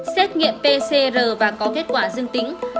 xét nghiệm pcr và có kết quả dương tính